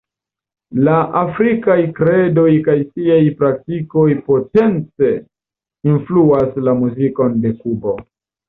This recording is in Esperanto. La afrikaj kredoj kaj siaj praktikoj potence influis la muzikon de Kubo.